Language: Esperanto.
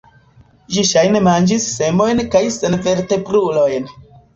Ĝi ŝajne manĝis semojn kaj senvertebrulojn.